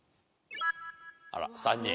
あら３人。